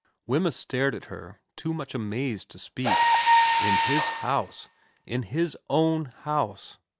Wemyss stared at her, too much amazed to speak. In his house ... In his own house